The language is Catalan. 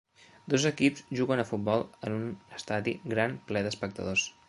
Dos equips juguen a futbol en un estadi gran ple d'espectadors.